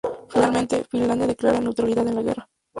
Finalmente, Finlandia declara neutralidad en la guerra.